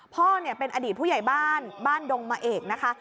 พ่อเป็นอดีตผู้ใหญ่บ้านบ้านดงมะเอกนะคะ